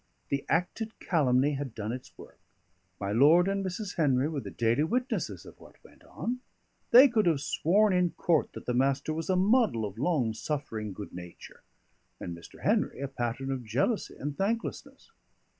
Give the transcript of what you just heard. The acted calumny had done its work; my lord and Mrs. Henry were the daily witnesses of what went on; they could have sworn in court that the Master was a model of long suffering good nature, and Mr. Henry a pattern of jealousy and thanklessness.